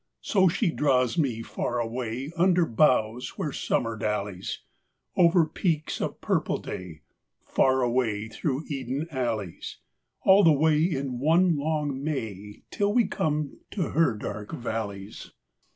So she draws me far away, Under boughs where summer dallies: Over peaks of purple day: Far away through Eden alleys: All the way is one long May Till we come to her dark valleys.